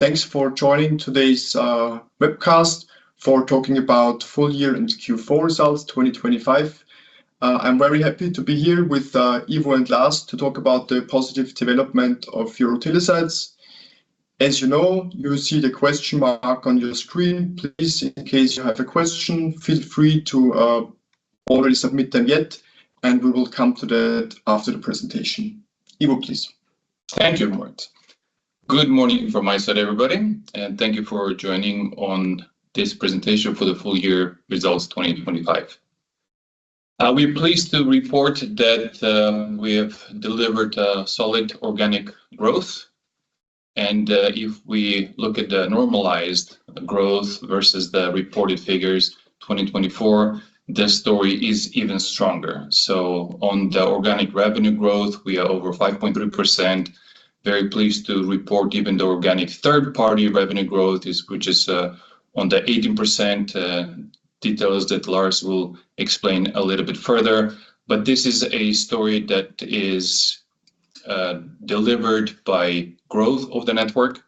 Thanks for joining today's webcast for talking about full year and Q4 results 2025. I'm very happy to be here with Ivo and Lars to talk about the positive development of EuroTeleSites. As you know, you see the question mark on your screen. Please, in case you have a question, feel free to already submit them yet, and we will come to that after the presentation. Ivo, please. Thank you, Moritz. Good morning from my side, everybody, and thank you for joining on this presentation for the full year results 2025. We're pleased to report that, we have delivered, solid organic growth. If we look at the normalized growth versus the reported figures 2024, the story is even stronger. On the organic revenue growth, we are over 5.3%. Very pleased to report even the organic third-party revenue growth is, which is, on the 18%, details that Lars will explain a little bit further. This is a story that is, delivered by growth of the network,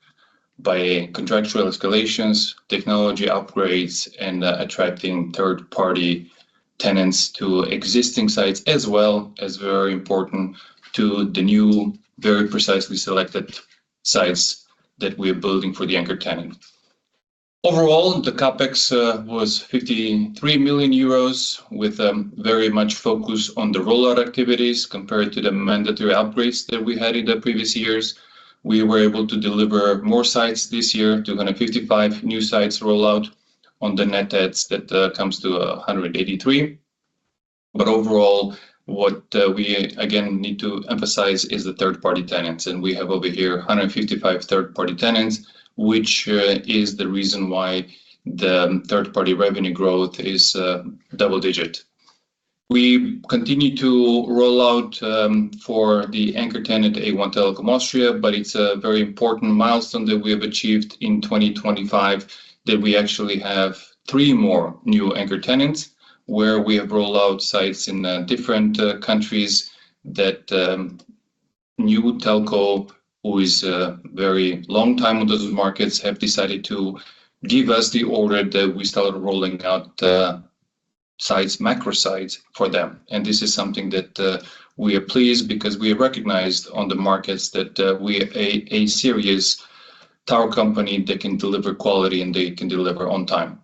by contractual escalations, technology upgrades, and, attracting third-party tenants to existing sites as well as very important to the new, very precisely selected sites that we are building for the anchor tenant. Overall, the Capex was 53 million euros with very much focus on the rollout activities compared to the mandatory upgrades that we had in the previous years. We were able to deliver more sites this year, 255 new sites rollout on the net adds that comes to 183. But overall, what we again need to emphasize is the third-party tenants, and we have over here 155 third-party tenants, which is the reason why the third-party revenue growth is double-digit. We continue to rollout for the anchor tenant A1 Telekom Austria, but it's a very important milestone that we have achieved in 2025 that we actually have three more new anchor tenants where we have rolled out sites in different countries that new telco who is very long time on those markets have decided to give us the order that we started rolling out sites, macro sites, for them. And this is something that we are pleased because we are recognized on the markets that we are a serious tower company that can deliver quality and they can deliver on time.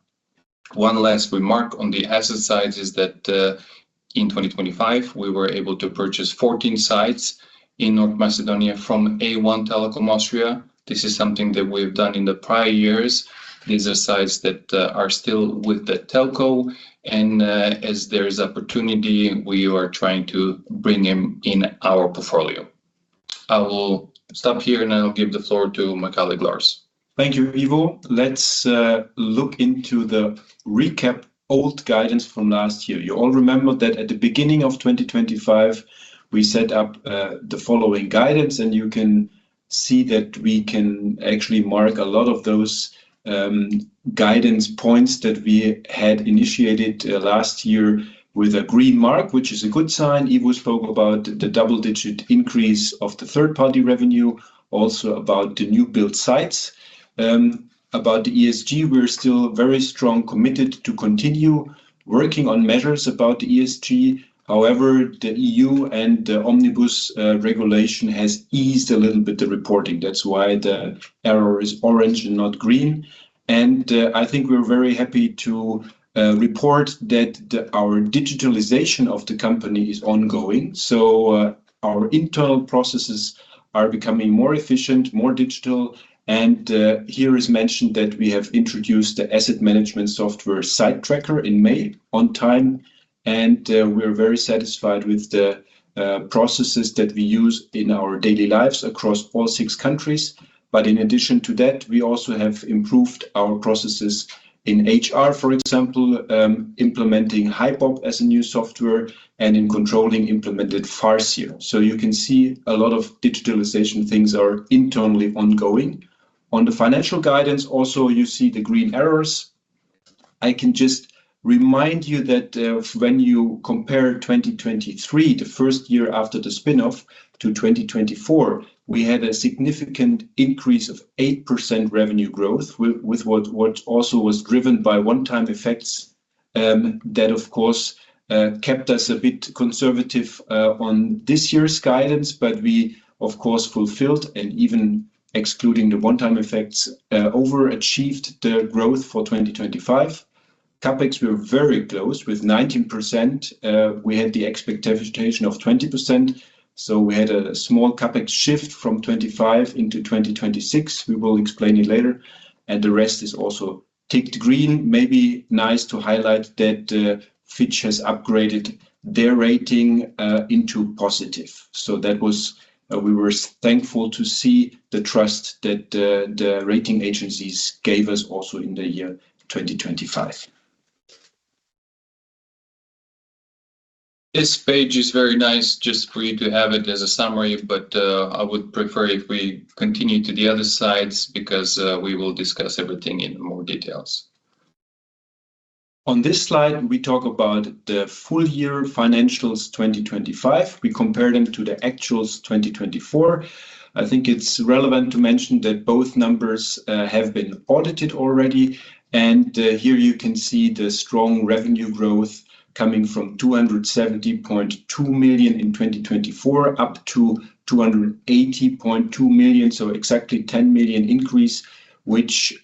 One last remark on the asset sides is that in 2025 we were able to purchase 14 sites in North Macedonia from A1 Telekom Austria. This is something that we have done in the prior years. These are sites that are still with the telco, and as there is opportunity, we are trying to bring them in our portfolio. I will stop here, and I'll give the floor to my colleague Lars. Thank you, Ivo. Let's look into the recap old guidance from last year. You all remember that at the beginning of 2025, we set up the following guidance, and you can see that we can actually mark a lot of those guidance points that we had initiated last year with a green mark, which is a good sign. Ivo spoke about the double-digit increase of the third-party revenue, also about the new-built sites. About the ESG, we're still very strongly committed to continue working on measures about the ESG. However, the EU and the Omnibus regulation has eased a little bit the reporting. That's why the arrow is orange and not green. I think we're very happy to report that our digitalization of the company is ongoing. So, our internal processes are becoming more efficient, more digital, and here is mentioned that we have introduced the asset management software Sitetracker in May on time. And, we're very satisfied with the processes that we use in our daily lives across all six countries. But in addition to that, we also have improved our processes in HR, for example, implementing HiBob as a new software, and in controlling implemented Farseer here. So you can see a lot of digitalization things are internally ongoing. On the financial guidance also, you see the green arrows. I can just remind you that, when you compare 2023, the first year after the spinoff, to 2024, we had a significant increase of 8% revenue growth with, with what, what also was driven by one-time effects, that, of course, kept us a bit conservative, on this year's guidance. But we, of course, fulfilled, and even excluding the one-time effects, overachieved the growth for 2025. Capex, we were very close with 19%. We had the expectation of 20%. So we had a small Capex shift from 2025 into 2026. We will explain it later. And the rest is also ticked green. Maybe nice to highlight that, Fitch has upgraded their rating into positive. So that was, we were thankful to see the trust that, the rating agencies gave us also in the year 2025. This page is very nice just for you to have it as a summary, but, I would prefer if we continue to the other sides because, we will discuss everything in more details. On this slide, we talk about the full year financials 2025. We compare them to the actuals 2024. I think it's relevant to mention that both numbers have been audited already. Here you can see the strong revenue growth coming from 270.2 million in 2024 up to 280.2 million, so exactly 10 million increase, which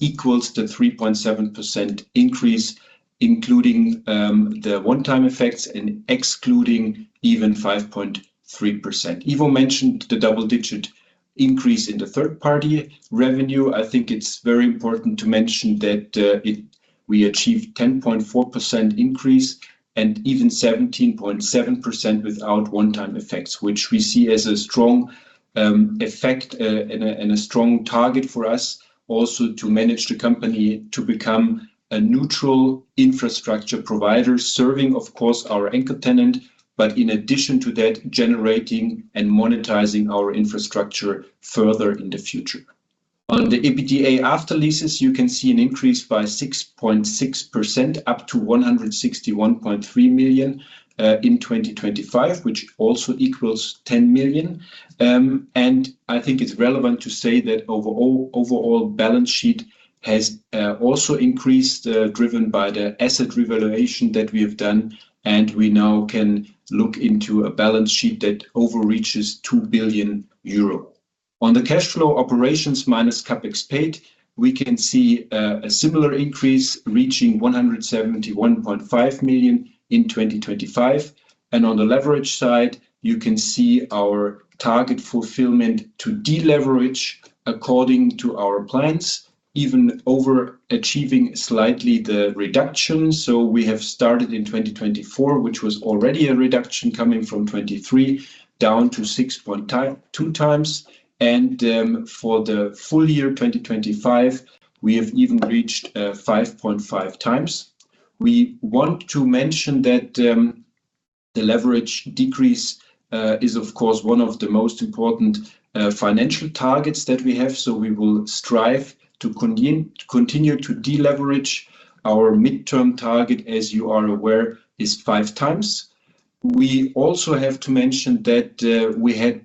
equals the 3.7% increase, including the one-time effects and excluding even 5.3%. Ivo mentioned the double-digit increase in the third-party revenue. I think it's very important to mention that we achieved 10.4% increase and even 17.7% without one-time effects, which we see as a strong effect and a strong target for us also to manage the company to become a neutral infrastructure provider serving, of course, our anchor tenant, but in addition to that, generating and monetizing our infrastructure further in the future. On the EBITDAaL, you can see an increase by 6.6% up to 161.3 million in 2025, which also equals 10 million. I think it's relevant to say that overall, overall balance sheet has also increased, driven by the asset revaluation that we have done, and we now can look into a balance sheet that overreaches 2 billion euro. On the cash flow operations minus Capex paid, we can see a similar increase reaching 171.5 million in 2025. On the leverage side, you can see our target fulfillment to deleverage according to our plans, even overachieving slightly the reduction. We have started in 2024, which was already a reduction coming from 2.3x down to 6.2x. For the full year 2025, we have even reached 5.5x. We want to mention that the leverage decrease is, of course, one of the most important financial targets that we have. So we will strive to continue to deleverage. Our midterm target, as you are aware, is 5x. We also have to mention that we had,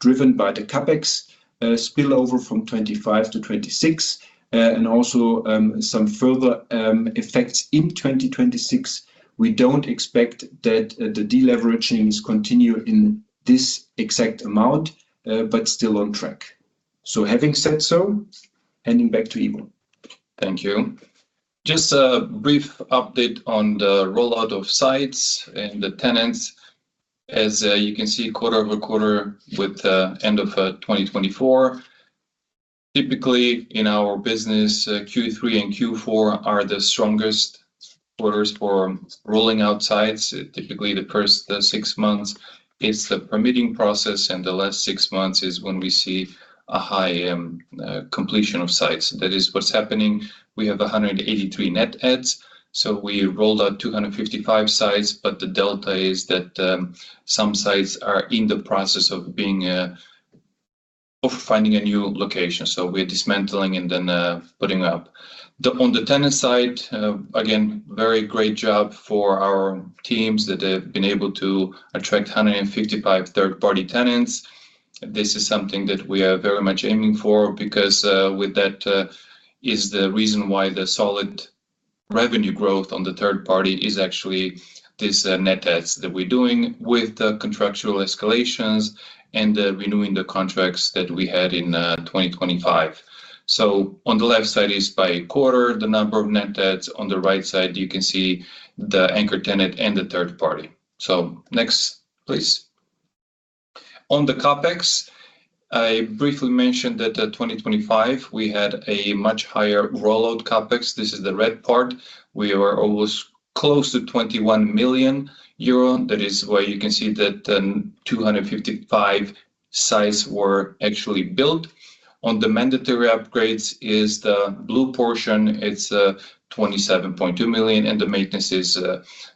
driven by the Capex, spillover from 25%-26%, and also some further effects in 2026. We don't expect that the deleveraging is continued in this exact amount, but still on track. So having said so, handing back to Ivo. Thank you. Just a brief update on the rollout of sites and the tenants. As you can see, quarter-over-quarter with the end of 2024, typically in our business, Q3 and Q4 are the strongest quarters for rolling out sites. Typically, the first six months is the permitting process, and the last six months is when we see a high completion of sites. That is what's happening. We have 183 net adds. So we rolled out 255 sites, but the delta is that some sites are in the process of being of finding a new location. So we are dismantling and then putting up. Then on the tenant side, again, very great job for our teams that have been able to attract 155 third-party tenants. This is something that we are very much aiming for because with that is the reason why the solid revenue growth on the third party is actually this net adds that we're doing with the contractual escalations and the renewing the contracts that we had in 2025. So on the left side is by quarter the number of net adds. On the right side, you can see the anchor tenant and the third party. So next, please. On the CapEx, I briefly mentioned that 2025 we had a much higher rollout CapEx. This is the red part. We were almost close to 21 million euro. That is why you can see that 255 sites were actually built. On the mandatory upgrades is the blue portion. It's 27.2 million, and the maintenance is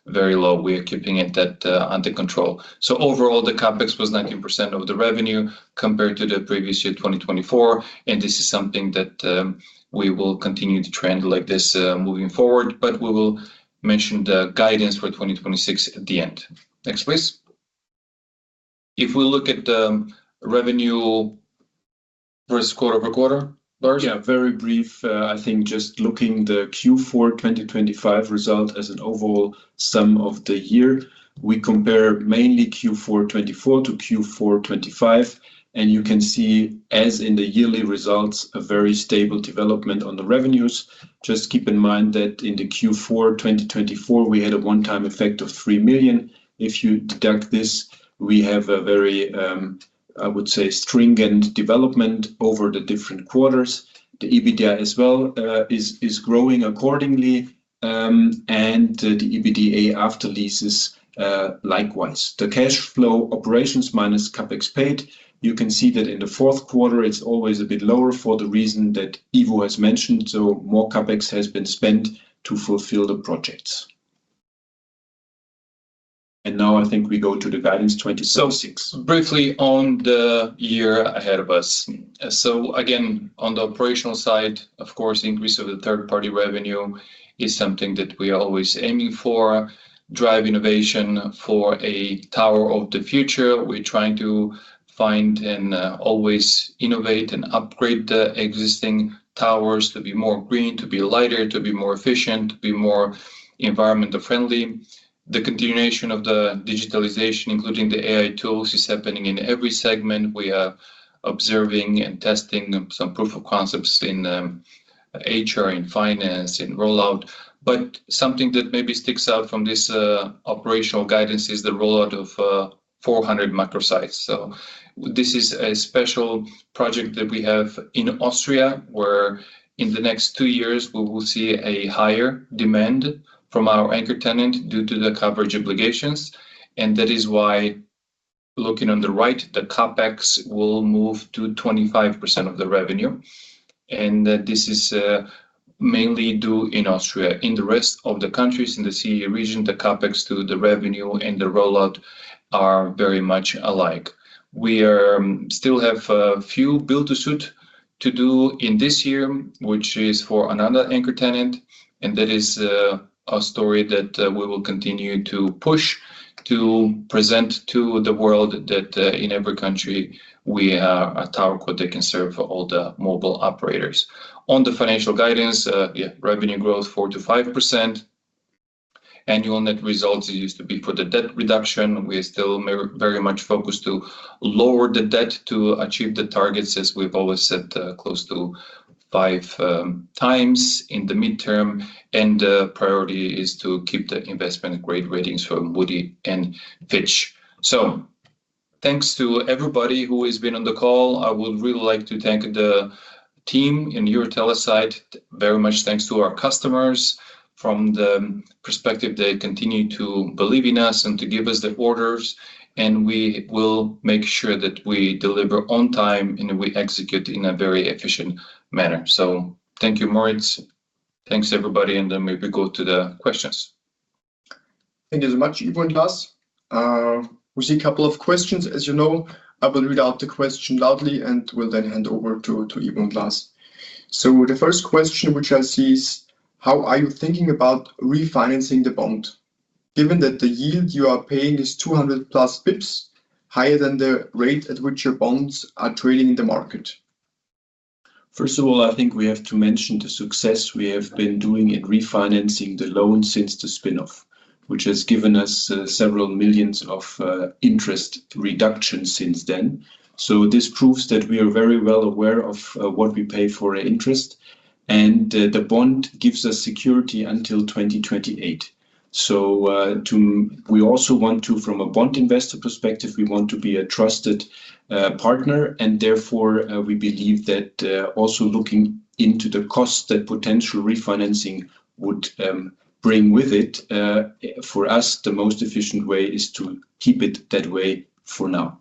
very low. We are keeping it that under control. So overall, the CapEx was 19% of the revenue compared to the previous year, 2024. And this is something that, we will continue the trend like this, moving forward, but we will mention the guidance for 2026 at the end. Next, please. If we look at the revenue versus quarter-over-quarter, Lars. Yeah, very brief. I think just looking at the Q4 2025 result as an overall sum of the year, we compare mainly Q4 2024 to Q4 2025. And you can see, as in the yearly results, a very stable development on the revenues. Just keep in mind that in the Q4 2024, we had a one-time effect of 3 million. If you deduct this, we have a very, I would say, stringent development over the different quarters. The EBITDA as well, is growing accordingly, and the EBITDA after leases, likewise. The cash flow operations minus CapEx paid, you can see that in the fourth quarter, it's always a bit lower for the reason that Ivo has mentioned. So more CapEx has been spent to fulfill the projects. And now I think we go to the guidance 2026. So briefly on the year ahead of us. So again, on the operational side, of course, the increase of the third-party revenue is something that we are always aiming for, drive innovation for a tower of the future. We're trying to find and, always innovate and upgrade the existing towers to be more green, to be lighter, to be more efficient, to be more environmentally friendly. The continuation of the digitalization, including the AI tools, is happening in every segment. We are observing and testing some proof of concepts in, HR, in finance, in rollout. But something that maybe sticks out from this, operational guidance is the rollout of, 400 macro sites. So this is a special project that we have in Austria where in the next 2 years, we will see a higher demand from our anchor tenant due to the coverage obligations. That is why, looking on the right, the CapEx will move to 25% of the revenue. This is mainly due in Austria. In the rest of the countries in the CEE region, the CapEx to the revenue and the rollout are very much alike. We are still have a few build-to-suit to do in this year, which is for another anchor tenant. That is a story that we will continue to push to present to the world that, in every country, we are a tower that can serve all the mobile operators. On the financial guidance, yeah, revenue growth 4%-5%. Annual net results used to be for the debt reduction. We are still very much focused to lower the debt to achieve the targets, as we've always said, close to 5x in the midterm. The priority is to keep the investment grade ratings from Moody's and Fitch. Thanks to everybody who has been on the call. I would really like to thank the team in EuroTeleSites. Very much thanks to our customers. From the perspective, they continue to believe in us and to give us the orders. We will make sure that we deliver on time and we execute in a very efficient manner. Thank you, Moritz. Thanks, everybody. Then maybe go to the questions. Thank you so much, Ivo and Lars. We see a couple of questions. As you know, I will read out the question loudly and will then hand over to, to Ivo and Lars. So the first question, which I see is, how are you thinking about refinancing the bond? Given that the yield you are paying is 200 plus bps higher than the rate at which your bonds are trading in the market. First of all, I think we have to mention the success we have been doing in refinancing the loan since the spinoff, which has given us several million EUR in interest reductions since then. So this proves that we are very well aware of what we pay for interest. And the bond gives us security until 2028. So too we also want to, from a bond investor perspective, be a trusted partner. And therefore, we believe that, also looking into the cost that potential refinancing would bring with it, for us, the most efficient way is to keep it that way for now.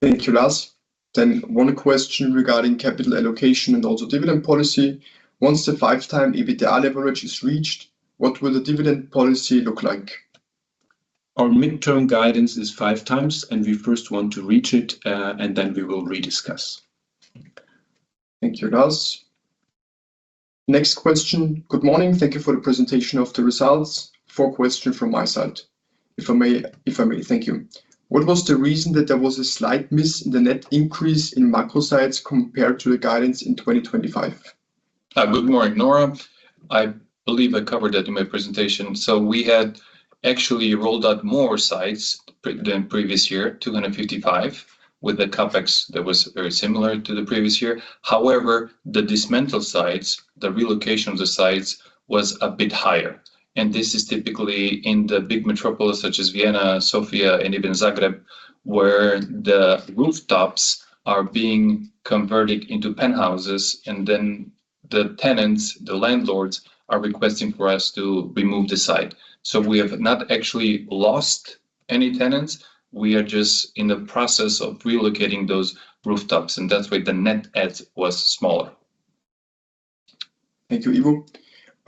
Thank you, Lars. Then one question regarding capital allocation and also dividend policy. Once the 5x EBITDA leverage is reached, what will the dividend policy look like? Our midterm guidance is 5x, and we first want to reach it, and then we will rediscuss. Thank you, Lars. Next question. Good morning. Thank you for the presentation of the results. Four questions from my side. If I may, if I may, thank you. What was the reason that there was a slight miss in the net increase in macro sites compared to the guidance in 2025? Good morning, Nora. I believe I covered that in my presentation. So we had actually rolled out more sites than previous year, 255, with a CapEx that was very similar to the previous year. However, the dismantle sites, the relocation of the sites, was a bit higher. This is typically in the big metropolis such as Vienna, Sofia, and even Zagreb, where the rooftops are being converted into penthouses, and then the tenants, the landlords, are requesting for us to remove the site. We have not actually lost any tenants. We are just in the process of relocating those rooftops. That's why the net add was smaller. Thank you, Ivo.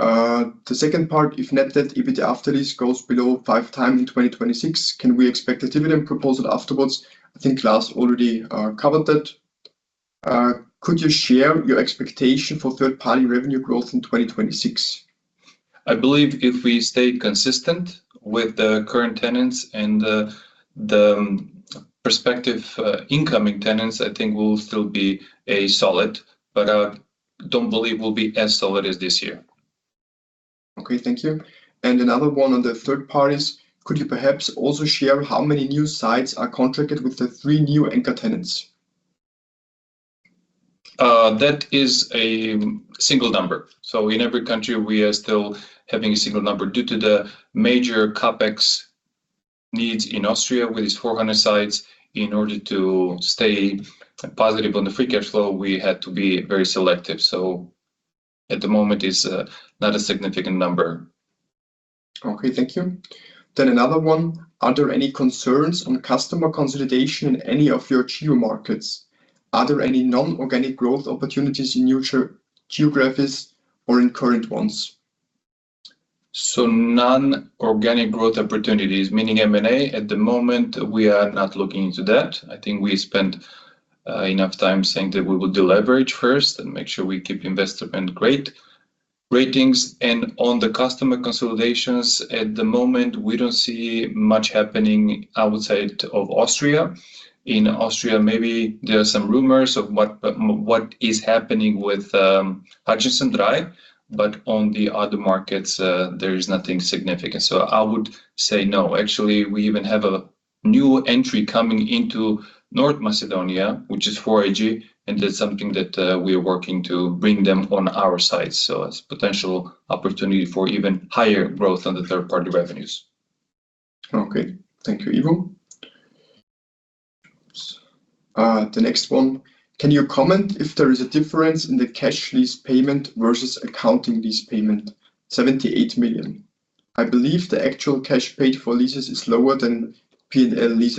The second part, if net debt EBITDA after leases goes below 5x in 2026, can we expect a dividend proposal afterwards? I think Lars already covered that. Could you share your expectation for third-party revenue growth in 2026? I believe if we stay consistent with the current tenants and the prospective incoming tenants, I think we'll still be solid, but I don't believe we'll be as solid as this year. Okay, thank you. And another one on the third parties, could you perhaps also share how many new sites are contracted with the three new anchor tenants? that is a single number. So in every country, we are still having a single number due to the major Capex needs in Austria with its 400 sites. In order to stay positive on the free cash flow, we had to be very selective. So at the moment, it's not a significant number. Okay, thank you. Then another one. Are there any concerns on customer consolidation in any of your geo markets? Are there any non-organic growth opportunities in new geographies or in current ones? So non-organic growth opportunities, meaning M&A, at the moment, we are not looking into that. I think we spent enough time saying that we will deleverage first and make sure we keep investment grade ratings. And on the customer consolidations, at the moment, we don't see much happening outside of Austria. In Austria, maybe there are some rumors of what is happening with Hutchison Drei. But on the other markets, there is nothing significant. So I would say no. Actually, we even have a new entry coming into North Macedonia, which is 4iG. And that's something that we are working to bring them on our sites. So it's a potential opportunity for even higher growth on the third-party revenues. Okay, thank you, Ivo. The next one. Can you comment if there is a difference in the cash lease payment versus accounting lease payment, 78 million? I believe the actual cash paid for leases is lower than P&L lease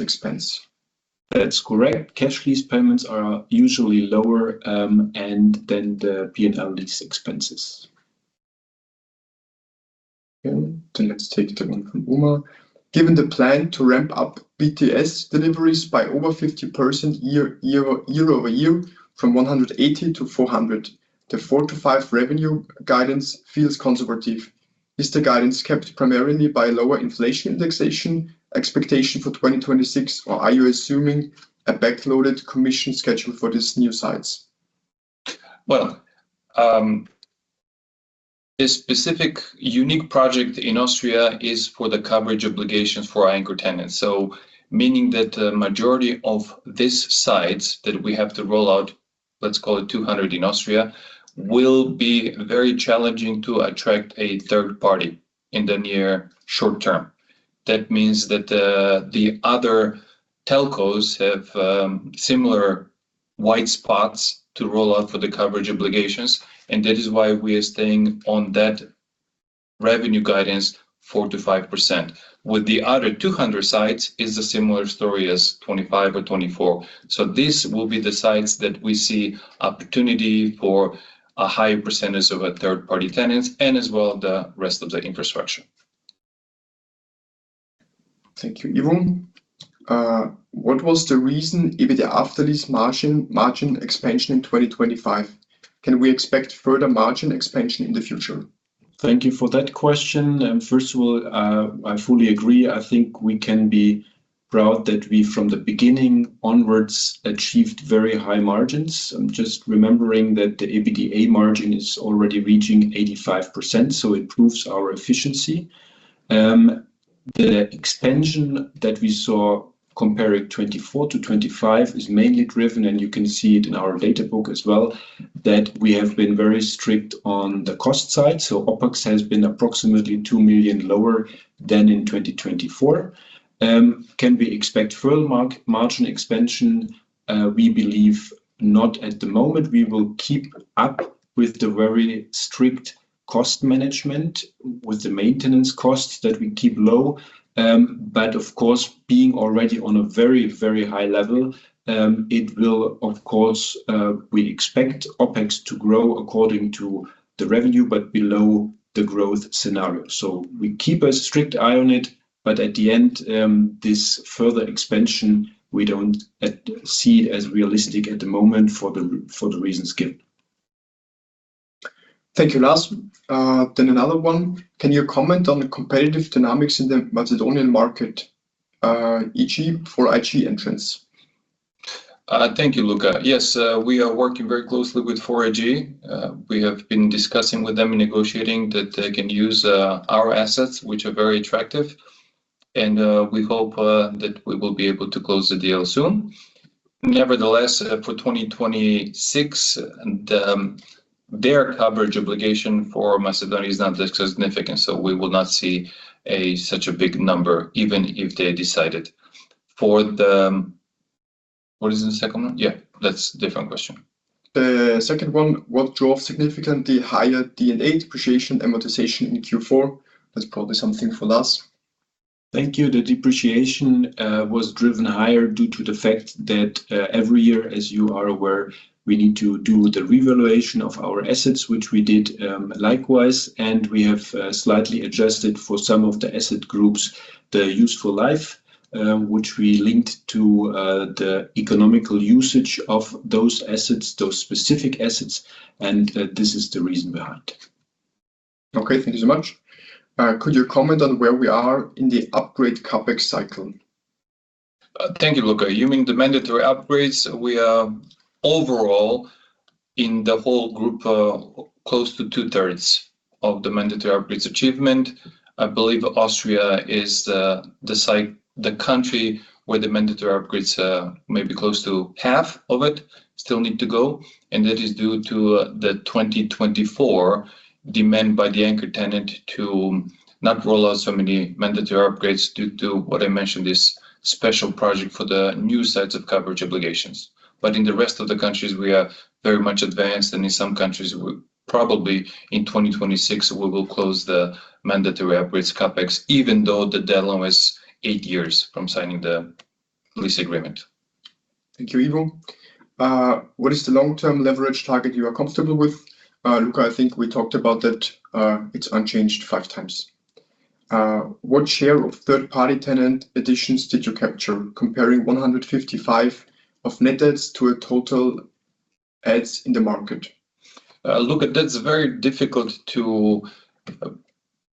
expense. That's correct. Cash lease payments are usually lower than the P&L lease expenses. Okay. Then let's take the one from Omar. Given the plan to ramp up BTS deliveries by over 50% year-over-year, from 180 to 400, the 4-5 revenue guidance feels conservative. Is the guidance kept primarily by lower inflation indexation expectation for 2026, or are you assuming a backloaded commission schedule for these new sites? Well, a specific unique project in Austria is for the coverage obligations for our anchor tenants. So meaning that the majority of these sites that we have to roll out, let's call it 200 in Austria, will be very challenging to attract a third party in the near short term. That means that the other telcos have similar white spots to roll out for the coverage obligations. And that is why we are staying on that revenue guidance, 4%-5%. With the other 200 sites, it's a similar story as 2025 or 2024. So these will be the sites that we see opportunity for a higher percentage of third-party tenants and as well the rest of the infrastructure. Thank you, Ivo. What was the reason EBITDA after lease margin, margin expansion in 2025? Can we expect further margin expansion in the future? Thank you for that question. First of all, I fully agree. I think we can be proud that we, from the beginning onwards, achieved very high margins. I'm just remembering that the EBITDAaL margin is already reaching 85%, so it proves our efficiency. The expansion that we saw comparing 2024 to 2025 is mainly driven, and you can see it in our data book as well, that we have been very strict on the cost side. So OPEX has been approximately 2 million lower than in 2024. Can we expect further margin expansion? We believe not at the moment. We will keep up with the very strict cost management with the maintenance costs that we keep low. But of course, being already on a very, very high level, it will, of course, we expect OPEX to grow according to the revenue but below the growth scenario. We keep a strict eye on it. At the end, this further expansion, we don't see it as realistic at the moment for the reasons given. Thank you, Lars. Another one. Can you comment on the competitive dynamics in the Macedonian market, e.g. for 4iG entrants? Thank you, Luca. Yes, we are working very closely with 4iG. We have been discussing with them and negotiating that they can use our assets, which are very attractive. And we hope that we will be able to close the deal soon. Nevertheless, for 2026 and their coverage obligation for Macedonia is not that significant. So we will not see such a big number, even if they decided. For the what is the second one? Yeah, that's a different question. The second one. What drove significantly higher D&A depreciation amortization in Q4? That's probably something for Lars. Thank you. The depreciation was driven higher due to the fact that every year, as you are aware, we need to do the revaluation of our assets, which we did, likewise. And we have slightly adjusted for some of the asset groups the useful life, which we linked to the economical usage of those assets, those specific assets. And this is the reason behind. Okay, thank you so much. Could you comment on where we are in the upgrade CapEx cycle? Thank you, Luca. You mean the mandatory upgrades. We are overall in the whole group, close to two-thirds of the mandatory upgrades achievement. I believe Austria is, the site the country where the mandatory upgrades, maybe close to half of it still need to go. And that is due to the 2024 demand by the anchor tenant to not roll out so many mandatory upgrades due to what I mentioned, this special project for the new sites of coverage obligations. But in the rest of the countries, we are very much advanced. And in some countries, we probably in 2026, we will close the mandatory upgrades Capex, even though the deadline was eight years from signing the lease agreement. Thank you, Ivo. What is the long-term leverage target you are comfortable with? Luca, I think we talked about that, it's unchanged 5x. What share of third-party tenant additions did you capture comparing 155 of net adds to a total adds in the market? Look, that's very difficult to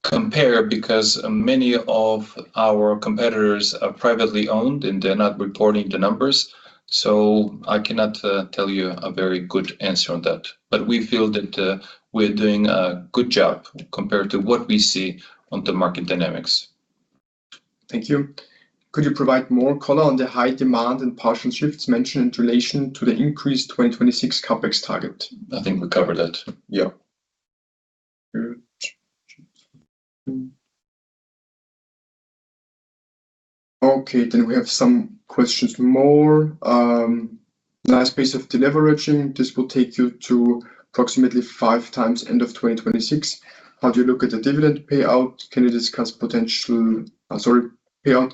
compare because many of our competitors are privately owned, and they're not reporting the numbers. So I cannot tell you a very good answer on that. But we feel that we're doing a good job compared to what we see on the market dynamics. Thank you. Could you provide more color on the high demand and partial shifts mentioned in relation to the increased 2026 CapEx target? I think we covered that. Yeah. Good. Okay, then we have some questions more. Last piece of deleveraging. This will take you to approximately 5x end of 2026. How do you look at the dividend payout? Can you discuss potential, sorry, payout?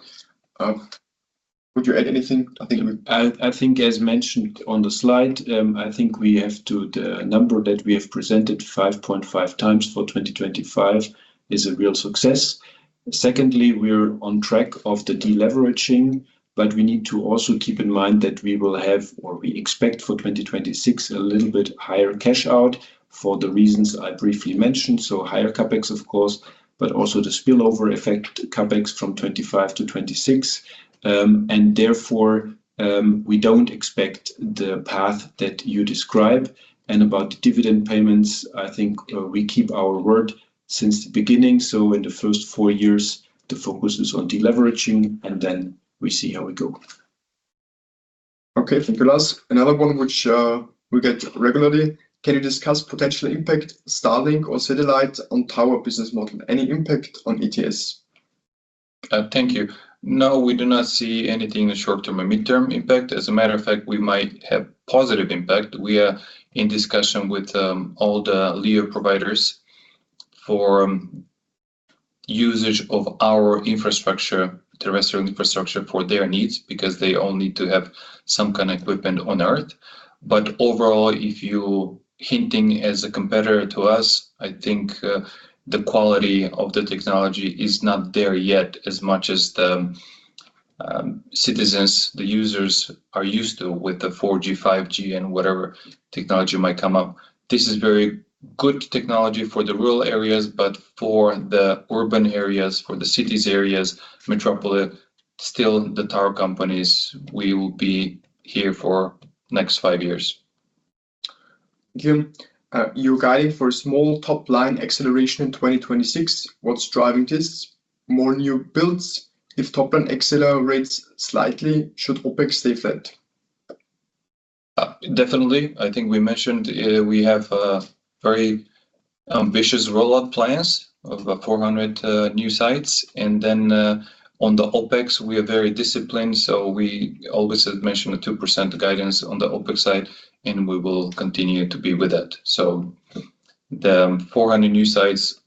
Would you add anything? I think. I think as mentioned on the slide, I think we have to the number that we have presented, 5.5x for 2025, is a real success. Secondly, we're on track of the deleveraging, but we need to also keep in mind that we will have, or we expect for 2026, a little bit higher cash out for the reasons I briefly mentioned. So higher CapEx, of course, but also the spillover effect CapEx from 2025 to 2026. And therefore, we don't expect the path that you describe. And about dividend payments, I think, we keep our word since the beginning. So in the first four years, the focus is on deleveraging, and then we see how we go. Okay, thank you, Lars. Another one, which we get regularly. Can you discuss potential impact Starlink or satellite on tower business model, any impact on ETS? Thank you. No, we do not see anything in the short-term and mid-term impact. As a matter of fact, we might have positive impact. We are in discussion with all the LEO providers for usage of our infrastructure, terrestrial infrastructure, for their needs because they all need to have some kind of equipment on Earth. But overall, if you're hinting as a competitor to us, I think the quality of the technology is not there yet as much as the citizens, the users, are used to with the 4G, 5G, and whatever technology might come up. This is very good technology for the rural areas, but for the urban areas, for the cities areas, metropolis, still the tower companies, we will be here for the next five years. Thank you. Your guidance for small top-line acceleration in 2026, what's driving this? More new builds? If top-line accelerates slightly, should OpEx stay flat? Definitely. I think we mentioned, we have very ambitious rollout plans of 400 new sites. And then, on the OpEx, we are very disciplined. So we always have mentioned a 2% guidance on the OpEx side, and we will continue to be with that. So the 400 new sites,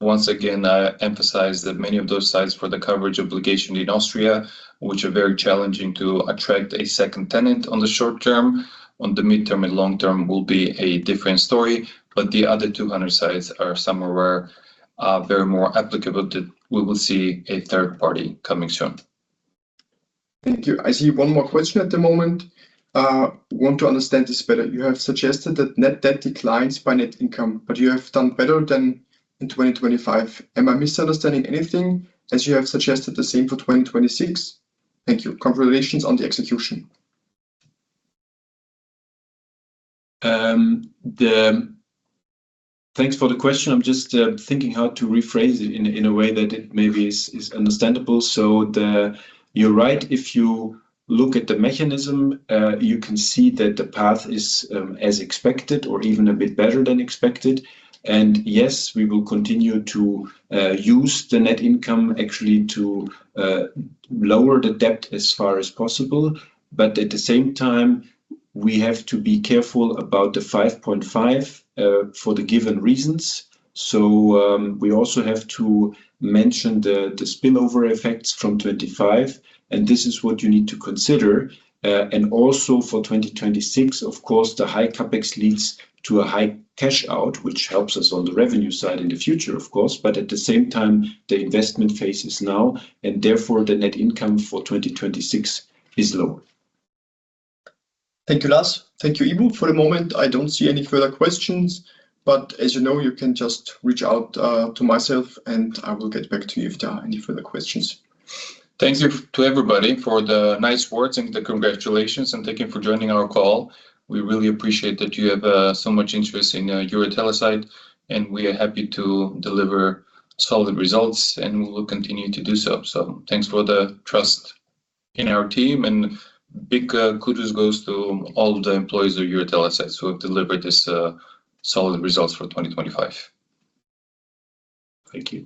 once again, I emphasize that many of those sites for the coverage obligation in Austria, which are very challenging to attract a second tenant on the short term. On the midterm and long term, will be a different story. But the other 200 sites are somewhere very more applicable that we will see a third party coming soon. Thank you. I see one more question at the moment. Want to understand this better. You have suggested that net debt declines by net income, but you have done better than in 2025. Am I misunderstanding anything as you have suggested the same for 2026? Thank you. Congratulations on the execution. Thanks for the question. I'm just thinking how to rephrase it in a way that it maybe is understandable. So you're right. If you look at the mechanism, you can see that the path is as expected or even a bit better than expected. And yes, we will continue to use the net income actually to lower the debt as far as possible. But at the same time, we have to be careful about the 5.5 for the given reasons. So we also have to mention the spillover effects from 2025. And this is what you need to consider. And also for 2026, of course, the high Capex leads to a high cash out, which helps us on the revenue side in the future, of course. But at the same time, the investment phase is now, and therefore the net income for 2026 is lower. Thank you, Lars. Thank you, Ivo. For the moment, I don't see any further questions. But as you know, you can just reach out to myself, and I will get back to you if there are any further questions. Thank you to everybody for the nice words and the congratulations, and thank you for joining our call. We really appreciate that you have so much interest in EuroTeleSites, and we are happy to deliver solid results, and we will continue to do so. So thanks for the trust in our team, and big kudos goes to all the employees of EuroTeleSites who have delivered this solid results for 2025. Thank you.